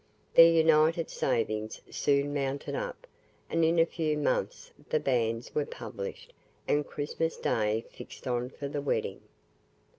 Their united savings soon mounted up, and in a few months the banns were published, and Christmas Day fixed on for the wedding.